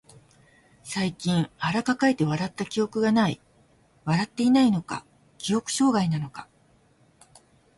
最近腹抱えて笑った記憶がない。笑っていないのか、記憶障害なのか。